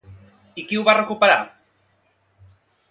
I qui ho va recuperar?